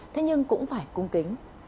thế nhưng cũng phải cung kính